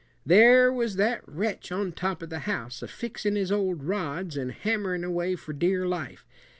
"There was that wretch on top of the house, a fixin' his old rods and hammerin' away for dear life.